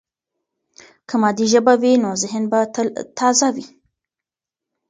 که مادي ژبه وي، نو ذهن به تل تازه وي.